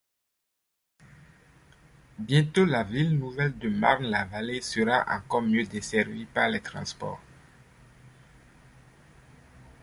Bientôt la ville nouvelle de Marne-la-Vallée sera encore mieux desservie par les transports.